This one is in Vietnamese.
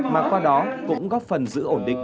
mà qua đó cũng góp phần giữ ổn định